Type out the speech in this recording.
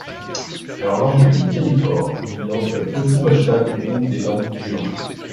Leur langue est le birifor, une langue oti-volta du groupe des langues gur.